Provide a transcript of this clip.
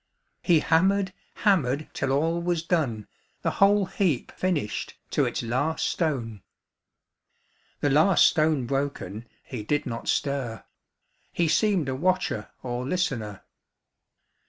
He hammered, hammered Till all was done, The whole heap finished To its last stone. The last stone broken, He did not stir : He seemed a watcher Or listener.